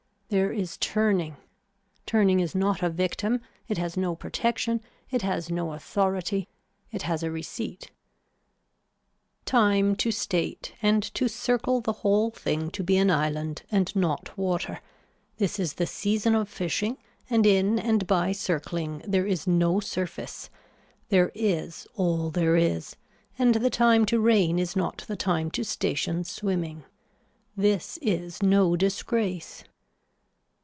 There is turning. Turning is not a victim, it has no protection, it has no authority, it has a receipt. Time to state and to circle the whole thing to be an island and not water, this is the season of fishing and in and by circling there is no surface, there is all there is and the time to rain is not the time to station swimming. This is no disgrace.